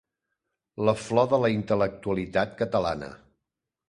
La flor de la intel·lectualitat catalana.